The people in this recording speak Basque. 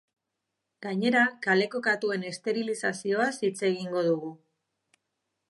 Gainera, kaleko katuen esterilizazioaz hitz egingo dugu.